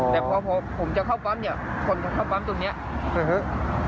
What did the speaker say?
แต่พอผมจะเข้าปั๊มคนเข้าปั๊มตรงนี้